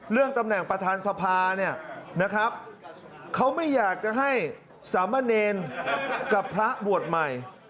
ตำแหน่งประธานสภาเนี่ยนะครับเขาไม่อยากจะให้สามเณรกับพระบวชใหม่